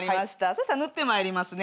そしたら塗ってまいりますね。